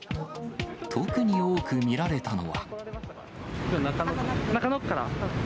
特に多く見られたのは。